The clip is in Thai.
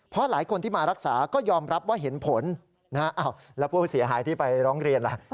เพราะหลายคนที่มารักษาก็ยอมรับว่าเห็นผลนะฮะแล้วผู้เสียหายที่ไปร้องเรียนล่ะ